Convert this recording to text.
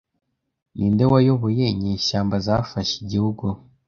Ninde wayoboye inyeshyamba zafashe igihugu